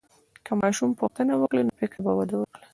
که ماشوم پوښتنه وکړي، نو فکر به وده وکړي.